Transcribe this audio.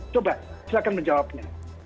coba silahkan menjawabnya